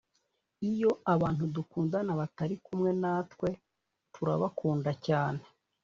iyo abantu dukunda batari kumwe natwe, turabakunda cyane.